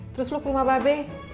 terus lo ke rumah babe